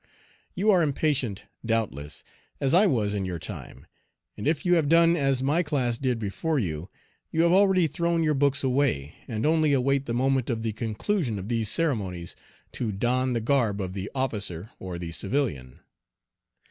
You are impatient, doubtless, as I was in your time, and if you have done as my class did before you, you have already thrown your books away, and only await the moment of the conclusion of these ceremonies to don the garb of the officer or the civilian.